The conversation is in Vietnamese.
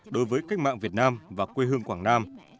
đối với cách mạng việt nam và quê hương quảng nam